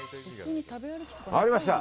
ありました